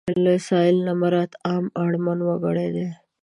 له سايل نه مراد عام اړمن وګړي دي.